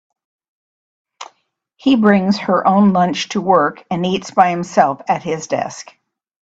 He brings her own lunch to work, and eats by himself at his desk.